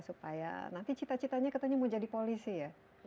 supaya nanti cita citanya katanya mau jadi polisi ya